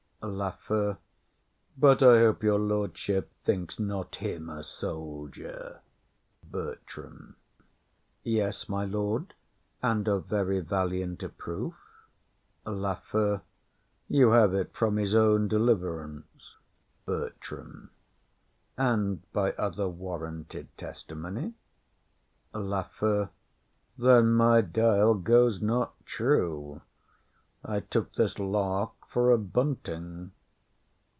LAFEW. But I hope your lordship thinks not him a soldier. BERTRAM. Yes, my lord, and of very valiant approof. LAFEW. You have it from his own deliverance. BERTRAM. And by other warranted testimony. LAFEW. Then my dial goes not true; I took this lark for a bunting.